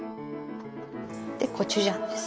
でコチュジャンです。